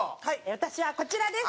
私はこちらです！